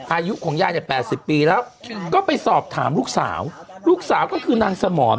อายุของยายเนี่ย๘๐ปีแล้วก็ไปสอบถามลูกสาวลูกสาวก็คือนางสมร